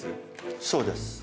そうです。